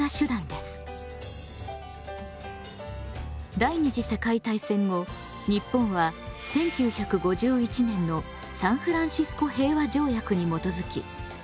第二次世界大戦後日本は１９５１年のサンフランシスコ平和条約にもとづき